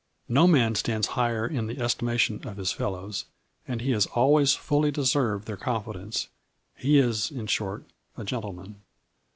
No man stands higher in the estimation of his fellows, and he has always fully deserved their confidence. He is, in short, a gentleman."